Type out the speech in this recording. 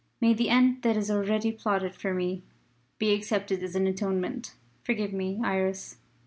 May the end that is already plotted for me be accepted as an atonement! Forgive me, Iris!